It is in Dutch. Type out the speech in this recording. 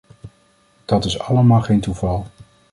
Dat is allemaal geen toeval.